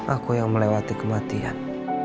aku yang melewati kematian